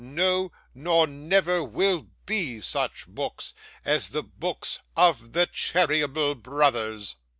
No, nor never will be such books as the books of Cheeryble Brothers.